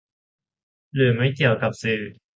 หรือไม่เกี่ยวกับสื่อ